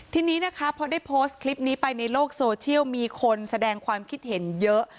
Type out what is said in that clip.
ทีนี้นะคะพอได้โพสต์คลิปนี้ไปในโลกโซเชียลมีคนแสดงความคิดเห็นเยอะ